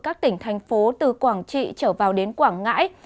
các tỉnh thành phố từ quảng trị trở vào đến quảng ngãi